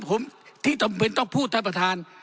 ผมที่จำเป็นต้องพูดท่านประธาน